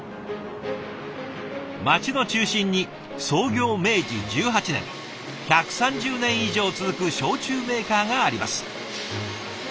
町の中心に創業明治１８年１３０年以上続く焼酎メーカーがあります。